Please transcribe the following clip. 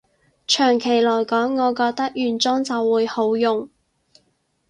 長期來講，我覺得原裝就會好用